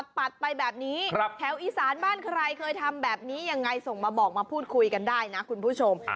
จะไปแบบนี้แถวอีสานบ้านใครเป็นแบบนี้ส่งมาบอกกันพูดคุยกันได้คุณผู้ชม